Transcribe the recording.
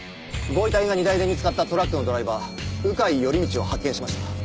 ご遺体が荷台で見つかったトラックのドライバー鵜飼頼道を発見しました。